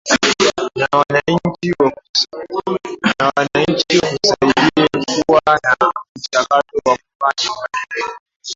na wananchi wakusudie kuwa na mchakato wa kufanya mabadiliko